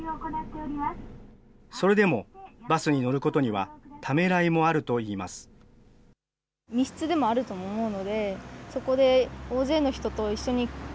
それでもバスに乗ることにはためらいもあるといいます。